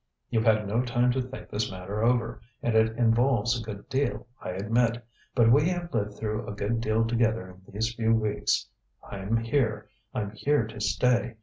You've had no time to think this matter over, and it involves a good deal, I admit. But we have lived through a good deal together in these few weeks. I'm here; I'm here to stay.